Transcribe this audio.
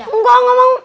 enggak enggak mau